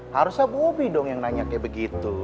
harusnya bobi dong yang nanya kayak begitu